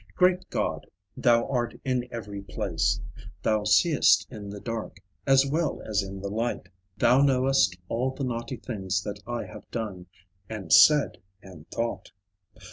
Great God, Thou art in every place; Thou seest in the dark, As well as in the light; Thou knowest all the naughty things That I have done, and said, and thought.